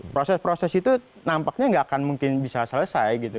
proses proses itu nampaknya nggak akan mungkin bisa selesai gitu